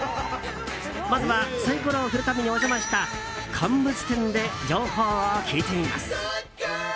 まずは、サイコロを振るためにお邪魔した乾物店で情報を聞いてみます。